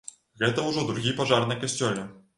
Гэта ўжо другі пажар на касцёле.